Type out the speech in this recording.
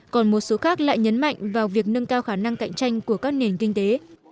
còn một số khác lại nhấn mạnh vào việc nâng cao khả năng cạnh tranh của các nền kinh tế